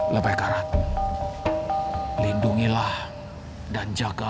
leluhur akan berjaya